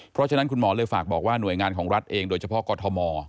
เพราะฉะนั้นคุณหมอเลยฝากบอกว่าหน่วยงานของรัฐเองโดยเฉพาะกอทม